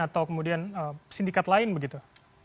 atau kemudian sindikat lain begitu